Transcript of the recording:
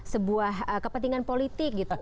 sebuah kepentingan politik gitu